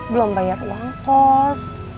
belom bayar uang kos